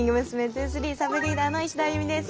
’２３サブリーダーの石田亜佑美です。